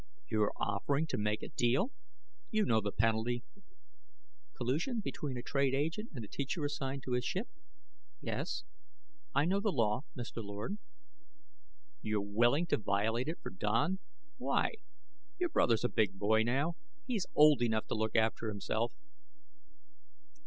"You're offering to make a deal? You know the penalty " "Collusion between a trade agent and the teacher assigned to his ship yes, I know the law, Mr. Lord." "You're willing to violate it for Don? Why? Your brother's a big boy now; he's old enough to look after himself."